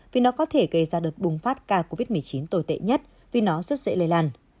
vì nó có thể gây ra đợt bùng phát ca covid một mươi chín tồi tệ nhất vì nó rất dễ lây lan